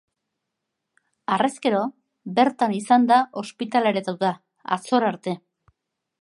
Harrezkero, bertan izan da ospitaleratuta, atzora arte.